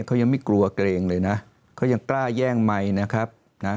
เขายังไม่กลัวเกรงเลยนะเขายังกล้าแย่งไมค์นะครับนะ